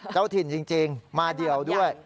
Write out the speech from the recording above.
เจ้าถิ่นจริงมาเดี่ยวด้วย